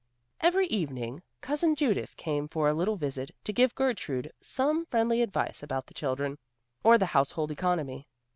Every evening "Cousin Judith" came for a little visit, to give Gertrude some friendly advice about the children, or the household economy.